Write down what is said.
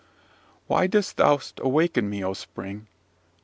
"Why dost thou waken me, O spring?